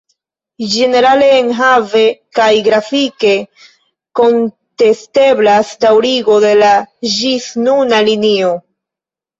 Ĝenerale enhave kaj grafike konstateblas daŭrigo de la ĝisnuna linio.